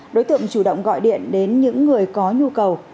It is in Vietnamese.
đối tượng chủ động gọi điện đến những người có nhu cầu